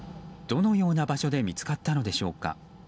どのような場所で見つかったのでしょうか。